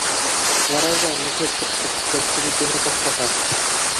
Ярай ҙа мисәт юҡ тип, Шәмсебикәне ташлаһа...